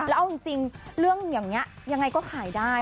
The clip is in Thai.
แล้วเอาจริงเรื่องอย่างนี้ยังไงก็ขายได้